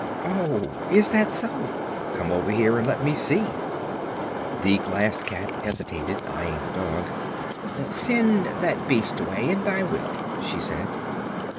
"Oh; is that so? Come over here and let me see." The Glass Cat hesitated, eyeing the dog. "Send that beast away and I will," she said.